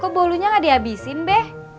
kok bolunya gak dihabisin be